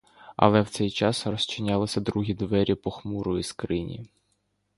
Але в цей час розчинялися другі двері похмурої скрині.